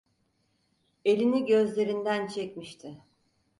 Elini gözlerinden çekmişti.